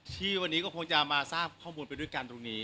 ที่วันนี้ก็คงจะมาทราบข้อมูลไปด้วยกันตรงนี้